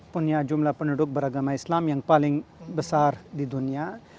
punya jumlah penduduk beragama islam yang paling besar di dunia